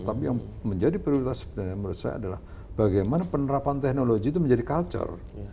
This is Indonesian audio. tapi yang menjadi prioritas sebenarnya menurut saya adalah bagaimana penerapan teknologi itu menjadi culture